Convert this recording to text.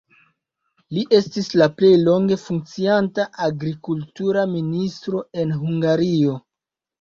Li estis la plej longe funkcianta agrikultura ministro en Hungario.